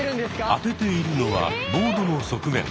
当てているのはボードの側面。